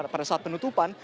pada saat penutupan